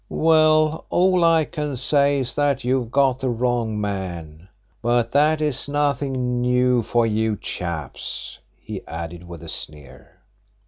"Well, all I can say is that you've got the wrong man. But that is nothing new for you chaps," he added with a sneer.